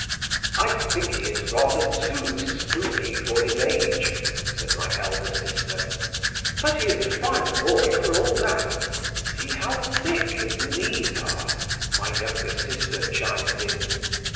"'I think he is rather too spoony for his age,' said my elder sister. "'But he's a fine boy for all that. See how thick his knees are,' my younger sister chimed in.